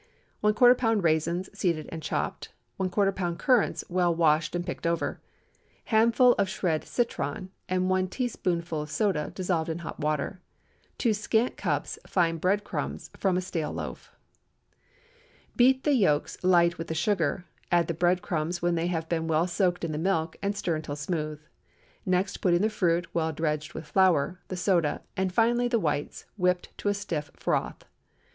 ¼ lb. raisins, seeded and chopped. ¼ lb. currants, well washed and picked over. Handful of shred citron, and 1 teaspoonful soda, dissolved in hot water. 2 scant cups fine bread crumbs, from a stale loaf. Beat the yolks light with the sugar, add the bread crumbs when they have been well soaked in the milk, and stir until smooth. Next put in the fruit, well dredged with flour, the soda, and finally the whites, whipped to a stiff froth.